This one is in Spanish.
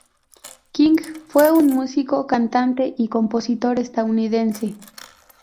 King, fue un músico, cantante y compositor estadounidense.